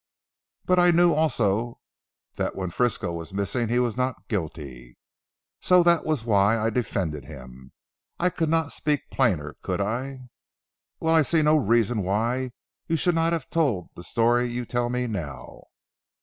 But I knew also that when Frisco was missing he was not guilty. So that was why I defended him. I could not speak plainer could I?" "Well, I see no reason why you should not have told the story you tell me now."